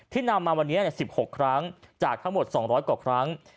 นำมาวันนี้๑๖ครั้งจากทั้งหมด๒๐๐กว่าครั้ง